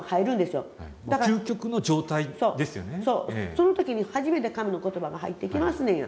その時に初めて神の言葉が入ってきますねんや。